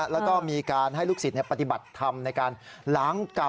แล้วก็มีการให้ลูกศิษย์ปฏิบัติธรรมในการล้างกรรม